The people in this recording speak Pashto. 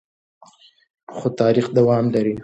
خو تاریخ دوام لري.